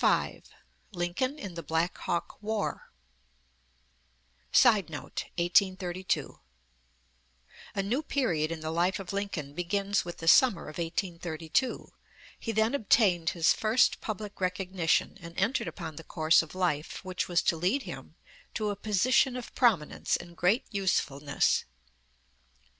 CHAPTER V LINCOLN IN THE BLACK HAWK WAR [Sidenote: 1832.] A new period in the life of Lincoln begins with the summer of 1832. He then obtained his first public recognition, and entered upon the course of life which was to lead him to a position of prominence and great usefulness.